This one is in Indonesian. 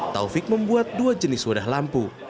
taufik membuat dua jenis wadah lampu